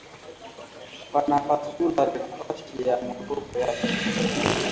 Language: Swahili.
Bana pasula rikalashi ya motoka yake